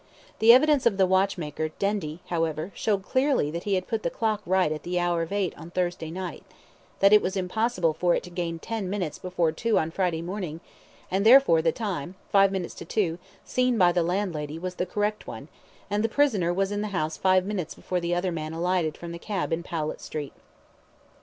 The evidence of the watchmaker, Dendy, however, showed clearly that he had put the clock right at the hour of eight on Thursday night; that it was impossible for it to gain ten minutes before two on Friday morning, and therefore, the time, five minutes to two, seen by the landlady was the correct one, and the prisoner was in the house five minutes before the other man alighted from the cab in Powlett Street.